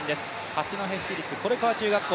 八戸市立是川小学校。